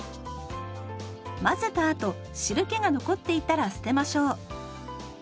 混ぜたあと汁けが残っていたら捨てましょう。